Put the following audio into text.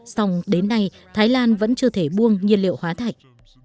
xong đến nay thái lan vẫn chưa thể buông nhiên liệu hóa thạch